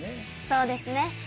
そうですね。